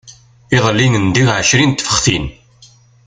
Iḍelli ndiɣ ɛecrin n tfextin.